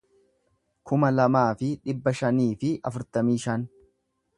kuma lamaa fi dhibba shanii fi afurtamii shan